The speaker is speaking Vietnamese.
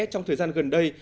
trong thời gian gần đây